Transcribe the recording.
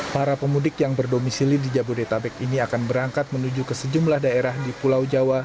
para pemudik yang berdomisili di jabodetabek ini akan berangkat menuju ke sejumlah daerah di pulau jawa